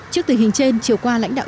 trước tình hình trên chiều qua lãnh đạo